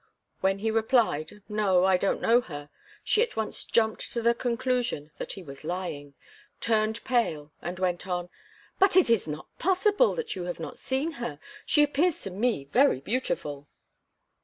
When he replied, "No, I don't know her," she at once jumped to the conclusion that he was lying, turned pale, and went on: "But it is not possible that you have not seen her. She appears to me very beautiful."